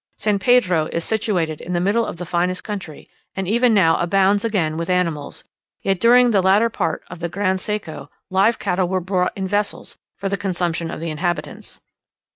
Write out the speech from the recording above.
San Pedro is situated in the middle of the finest country; and even now abounds again with animals; yet during the latter part of the "gran seco," live cattle were brought in vessels for the consumption of the inhabitants.